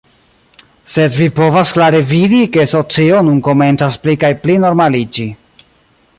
sed vi povas klare vidi, ke socio nun komencas pli kaj pli normaliĝi.